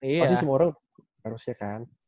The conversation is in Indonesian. pasti semua orang harusnya kan